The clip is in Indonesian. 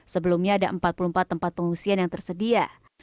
sebelumnya ada empat puluh empat tempat pengungsian yang tersedia